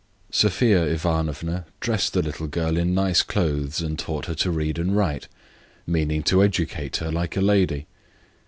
Sophia Ivanovna dressed the little girl in nice clothes, and taught her to read and write, meaning to educate her like a lady.